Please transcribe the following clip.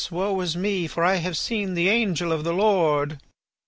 woe is me, for I have seen the angel of the Lord.